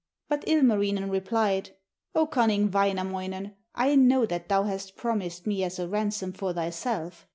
But Ilmarinen replied: 'O cunning Wainamoinen, I know that thou hast promised me as a ransom for thyself.